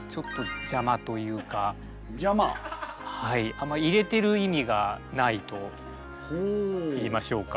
あまり入れてる意味がないといいましょうか。